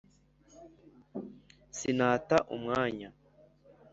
sinata umwanya